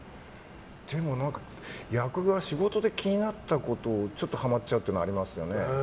でも役柄仕事で気になったことちょっとはまっちゃうというのはありますよね。